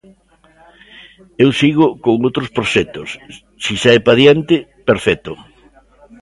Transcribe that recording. Eu sigo con outros proxectos; se sae para adiante, perfecto.